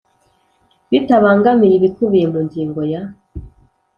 Bitabangamiye ibikubiye mu ngingo ya